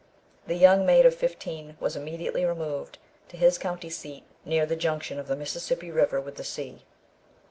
The young maid of fifteen was immediately removed to his country seat, near the junction of the Mississippi river with the sea.